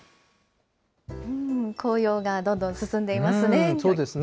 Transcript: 紅葉がどんどん進んでいますね。